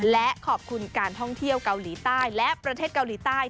และขอบคุณการท่องเที่ยวเกาหลีใต้และประเทศเกาหลีใต้